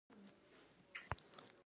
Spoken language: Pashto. بېکاره نه ناستېږي.